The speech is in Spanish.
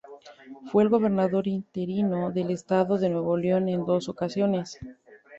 Fue gobernador interino del estado de Nuevo León en dos ocasiones.